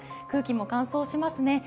空気も乾燥しますね。